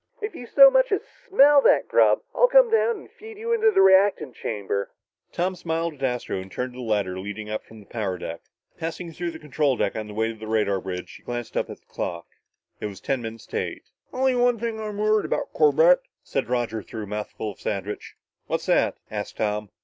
"If you so much as smell that grub, I'll come down and feed you into the reactant chamber!" Tom smiled at Astro and turned to the ladder leading up from the power deck. Passing through the control deck on the way to the radar bridge, he glanced at the clock. It was ten minutes to eight. "Only one thing I'm worried about, Corbett," said Roger through a mouthful of sandwich. "What's that?" asked Tom.